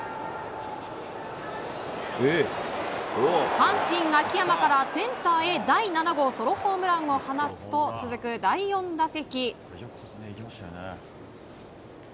阪神、秋山からセンターへ第７号ソロホームランを放つと続く第４打席。